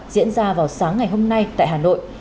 diễn ra vào sáng ngày hôm nay tại hà nội